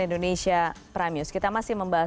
indonesia pramius kita masih membahas